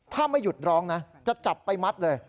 ถ้าไม่หยุดร้องนะจะจับไปมัดเลย